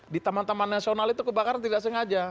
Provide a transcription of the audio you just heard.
di taman taman nasional itu kebakaran tidak sengaja